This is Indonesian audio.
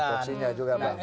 kan ada tupoksinya juga bang